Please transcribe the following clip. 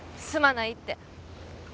すまないって。